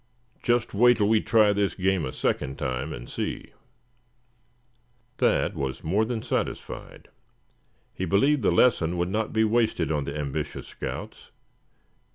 Just wait till we try this game a second time, and see." Thad was more than satisfied. He believed the lesson would not be wasted on the ambitious scouts.